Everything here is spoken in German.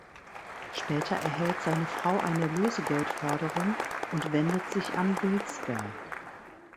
Später erhält seine Frau eine Lösegeldforderung und wendet sich an Wilsberg.